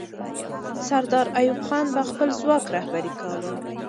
سردار ایوب خان به خپل ځواک رهبري کاوه.